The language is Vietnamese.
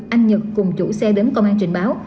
anh nhật cùng chủ xe đến công an trình báo